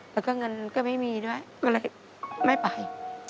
แล้วก็เงินก็ไม่มีด้วยก็เลยไม่ไป